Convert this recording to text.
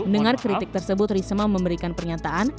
dengan kritik tersebut risma memberikan pernyataan